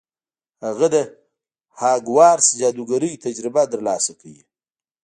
هغه د هاګوارتس جادوګرۍ تجربه ترلاسه کوي.